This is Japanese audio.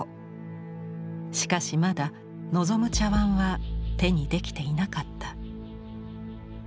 しかしまだ望む茶碗は手にできていなかった。